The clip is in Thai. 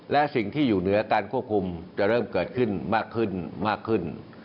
และสิ่งที่อยู่เหนือการควบคุมจะเริ่มเกิดขึ้นมากขึ้นมากขึ้น